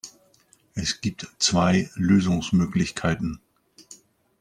Es gibt zwei Lösungsmöglichkeiten.